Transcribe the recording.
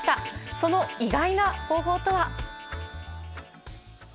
その意外な方法とは。